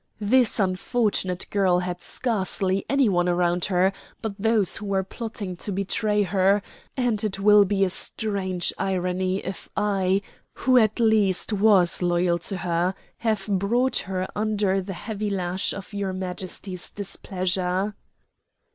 "This unfortunate girl had scarcely any one round her but those who were plotting to betray her, and it will be a strange irony if I, who at least was loyal to her, have brought her under the heavy lash of your Majesty's displeasure."